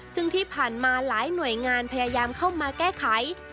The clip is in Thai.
ซึ่งที่ผ่านมาหลายหน่วยงานพยายามเข้ามาแก้ไข